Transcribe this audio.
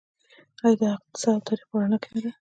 آیا د اقتصاد او تاریخ په رڼا کې نه ده؟